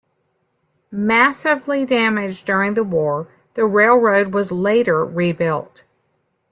Massively damaged during the War, the railroad was later rebuilt.